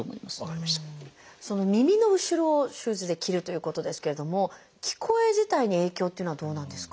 耳の後ろを手術で切るということですけれども聞こえ自体に影響っていうのはどうなんですか？